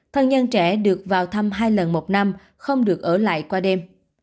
thân nhân trẻ được vào thăm hai lần một năm không được ở lại qua đêm